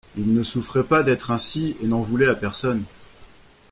Il ne souffrait pas d’être ainsi et n’en voulait à personne.